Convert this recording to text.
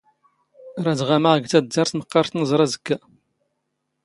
ⵔⴰⴷ ⵖⴰⵎⴰⵖ ⴳ ⵜⴰⴷⴷⴰⵔⵜ ⵎⵇⵇⴰⵔ ⵜⵏⵥⵕ ⴰⵣⴽⴽⴰ.